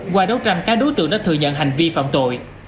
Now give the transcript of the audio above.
qua đấu tranh các đối tượng đã thừa nhận hành vi phạm tội